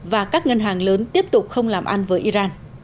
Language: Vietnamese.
và các ngân hàng lớn tiếp tục không làm ăn với iran